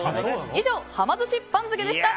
以上、はま寿司番付でした。